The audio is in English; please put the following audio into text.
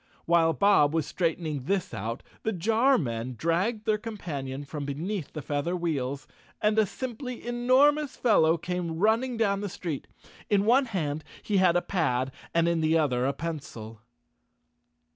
While Bob was straightening this out, the jar men dragged their companion from beneath the feather wheels, and a simply enormous fellow came running down the street. In one hand he had a pad and in the other a pencil.